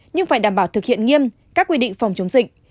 nhưng phải đảm bảo thực hiện nghiêm các quy định phòng chống dịch